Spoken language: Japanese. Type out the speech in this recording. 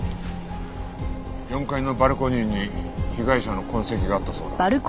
４階のバルコニーに被害者の痕跡があったそうだ。